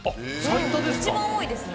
一番多いですね。